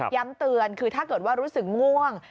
เตือนคือถ้าเกิดว่ารู้สึกง่วง